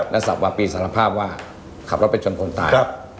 และสับวาปีสารภาพว่าขับรถไปชนคนตาย